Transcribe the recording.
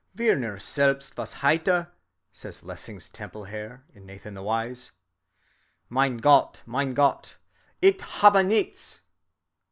"Wer nur selbst was hätte," says Lessing's Tempelherr, in Nathan the Wise, "mein Gott, mein Gott, ich habe nichts!"